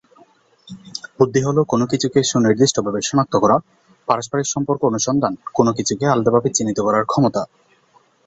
বুদ্ধি হল কোন কিছুকে সুনির্দিষ্টভাবে শনাক্ত করা, পারস্পারিক সম্পর্ক অনুসন্ধান, কোন কিছুকে আলাদাভাবে চিহ্নিত করার ক্ষমতা।